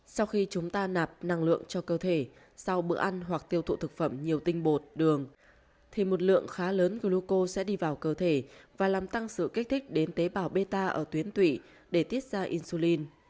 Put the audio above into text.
sau khi chúng ta nạp năng lượng cho cơ thể sau bữa ăn hoặc tiêu thụ thực phẩm nhiều tinh bột đường thì một lượng khá lớn gluco sẽ đi vào cơ thể và làm tăng sự kích thích đến tế bào meta ở tuyến tụy để tiết ra insulin